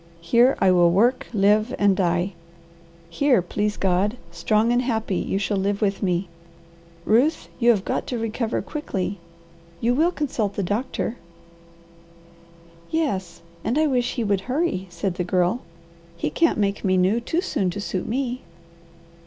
Here I will work, live, and die. Here, please God, strong and happy, you shall live with me. Ruth, you have got to recover quickly. You will consult the doctor?" "Yes, and I wish he would hurry," said the Girl. "He can't make me new too soon to suit me.